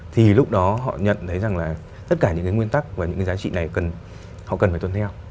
thì lúc đó họ nhận thấy rằng là tất cả những cái nguyên tắc và những cái giá trị này họ cần phải tuân theo